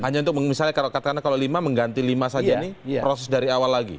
hanya untuk misalnya kalau katakanlah kalau lima mengganti lima saja ini proses dari awal lagi